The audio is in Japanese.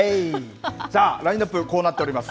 さあ、ラインナップ、こうなっております。